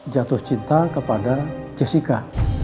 jatuh cinta kepada jessica